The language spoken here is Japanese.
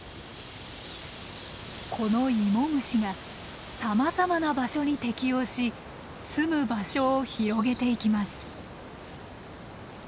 このイモムシがさまざまな場所に適応しすむ場所を広げていきます。